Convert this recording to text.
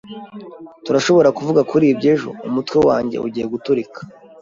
Turashobora kuvuga kuri ibyo ejo? Umutwe wanjye ugiye guturika.